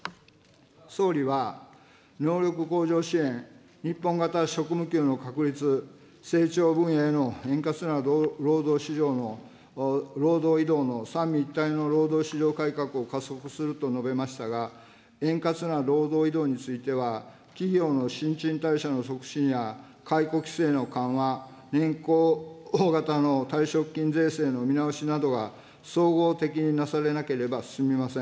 総理は、能力向上支援、日本型職務給の確立、成長分野への円滑な労働移動の三位一体の労働市場改革を加速すると述べましたが、円滑な労働移動については、企業の新陳代謝の促進や、解雇規制の緩和、年功型の退職金税制の見直しなどが総合的になされなければ進みません。